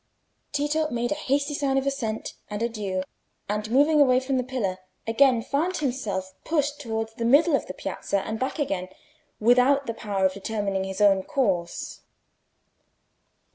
Tito made a hasty sign of assent and adieu, and moving away from the pillar, again found himself pushed towards the middle of the piazza and back again, without the power of determining his own course.